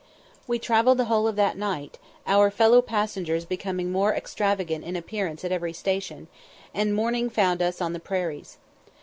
We travelled the whole of that night, our fellow passengers becoming more extravagant in appearance at every station, and morning found us on the prairies.